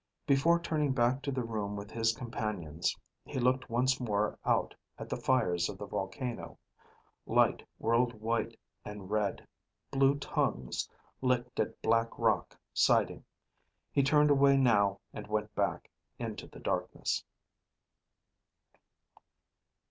Before turning back to the room with his companions, he looked once more out at the fires of the volcano. Light whirled white and red. Blue tongues licked at black rock siding. He turned away now and went back into the darkness.